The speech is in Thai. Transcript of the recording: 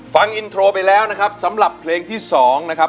ฟังอินโทรไปแล้วนะครับสำหรับเพลงที่๒นะครับ